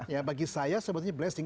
ya bagi saya sebetulnya blessing